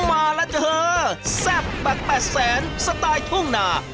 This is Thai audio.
มาแล้วเจ้อแซ่บปักแปดแสนสไตล์ทุ่งหน้า